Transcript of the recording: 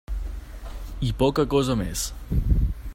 I poca cosa més.